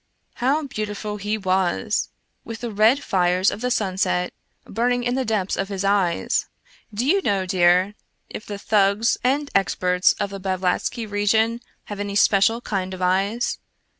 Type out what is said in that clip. How beautiful he was !— with the red fires of the sunset burning in the depths of his eyes. Do you know, dear, if the Thugs and Experts of the Blavatsky region have any special kind of eyes?